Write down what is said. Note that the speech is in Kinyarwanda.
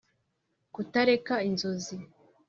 kutareka inzozi.